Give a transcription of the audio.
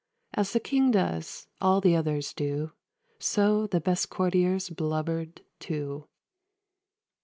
As the King does, all the others do; So the best courtiers blubbered too.